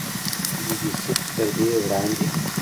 بي بي سي تر دې وړاندې